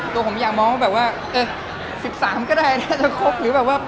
ตัวผมอยากมองแบบว่า๑๔ก็ได้จะคุกหรือว่าตัวเราไม่จำเป็นต้องระบุวันอะไรอย่างนั้น